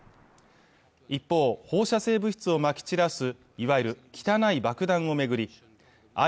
一方放射性物質をまき散らすいわゆる汚い爆弾を巡り